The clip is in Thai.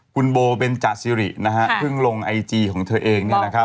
คุณโบเบนจสิริเพิ่งลงไอจีของเธอเอง